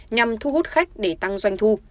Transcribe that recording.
nhằm thu hút khách để tăng doanh thu